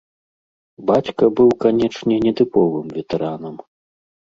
Бацька быў, канечне, нетыповым ветэранам.